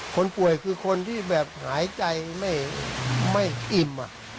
คนป่วยคือคนที่แบบหายใจไม่อิ่ม